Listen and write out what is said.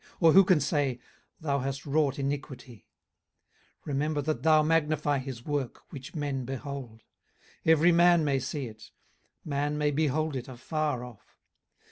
or who can say, Thou hast wrought iniquity? 18:036:024 Remember that thou magnify his work, which men behold. 18:036:025 Every man may see it; man may behold it afar off.